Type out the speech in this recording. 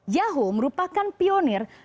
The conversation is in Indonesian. yahoo merupakan pionir